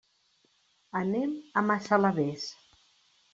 Anem a Massalavés.